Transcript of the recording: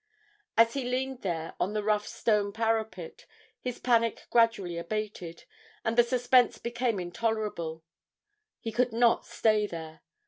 As he leaned there on the rough stone parapet his panic gradually abated, and the suspense became intolerable; he could not stay there.